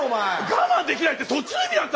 「我慢できない」ってそっちの意味だったの？